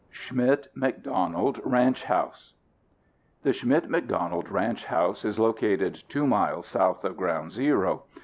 SCHMIDT McDONALD RANCH HOUSE The Schmidt McDonald ranch house is located two miles south of Ground Zero.